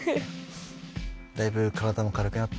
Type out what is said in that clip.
だいぶ体も軽くなった？